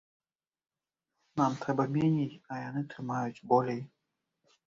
Нам трэба меней, а яны трымаюць болей.